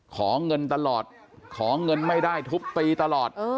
ขอเงินตลอดขอเงินไม่ได้ทุบตีตลอด